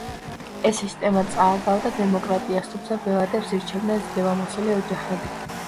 ეს სისტემა წააგავდა დემოკრატიას, თუმცა ბელადებს ირჩევდნენ ძლევამოსილი ოჯახები.